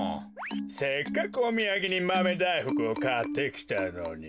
せっかくおみやげにマメだいふくをかってきたのに。